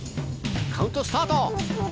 カウントスタート！